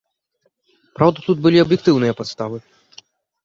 Праўда, тут былі аб'ектыўныя падставы.